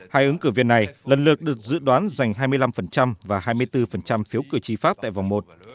hai ứng cử viên này lần lượt được dự đoán giành hai mươi năm và hai mươi bốn phiếu cử tri pháp tại vòng một